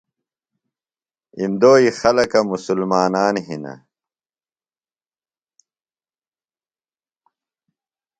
اندوئی خلکہ مُسلمانان ہِنہ۔